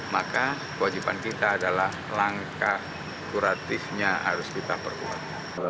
maka kewajiban kita adalah langkah kuratifnya harus kita perkuat